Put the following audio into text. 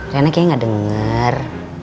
reina kayaknya gak denger